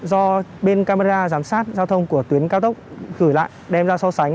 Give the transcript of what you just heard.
do bên camera giám sát giao thông của tuyến cao tốc gửi lại đem ra so sánh